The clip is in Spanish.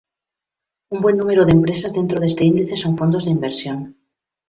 Un buen número de empresas dentro de este índice son fondos de inversión.